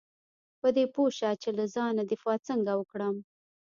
په دې پوه شه چې له ځان دفاع څنګه وکړم .